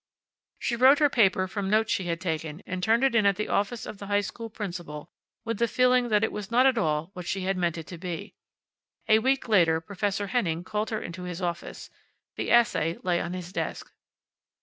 She wrote her paper from notes she had taken, and turned it in at the office of the high school principal with the feeling that it was not at all what she had meant it to be. A week later Professor Henning called her into his office. The essay lay on his desk.